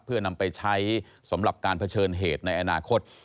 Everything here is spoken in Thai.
เพื่อนำไปใช้สำหรับการเผชิญเหตุในอนาคต